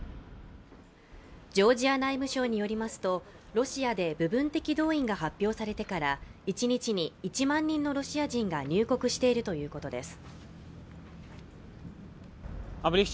ジョージア内務省によりますと、ロシアで部分的動員が発表されてから一日に１万人のロシア人が入国しているということです。